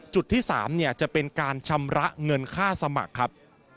จุดที่๓จะเป็นการชำระเงินค่าสมัครครับ